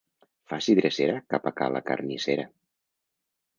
Faci drecera cap a ca la carnissera.